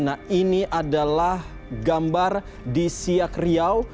nah ini adalah gambar di siak riau